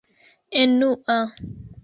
enua